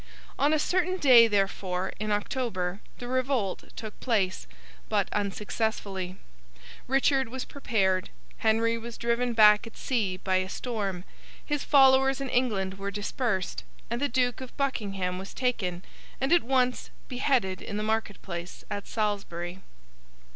On a certain day, therefore, in October, the revolt took place; but unsuccessfully. Richard was prepared, Henry was driven back at sea by a storm, his followers in England were dispersed, and the Duke of Buckingham was taken, and at once beheaded in the market place at Salisbury.